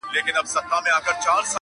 له شنو دښتونو به سندري د کیږدیو راځي!